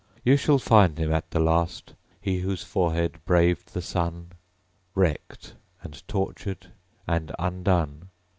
You shall find him, at the last, He whose forehead braved the sun, Wreckt and tortured and undone.